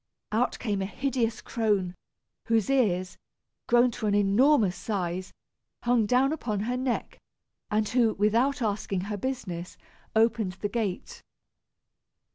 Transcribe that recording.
Out came a hideous crone, whose ears, grown to an enormous size, hung down upon her neck, and who, without asking her business, opened the gate.